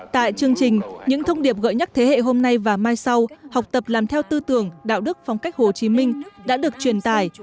tại chương trình những thông điệp gợi nhắc thế hệ hôm nay và mai sau học tập làm theo tư tưởng đạo đức phong cách hồ chí minh đã được truyền tải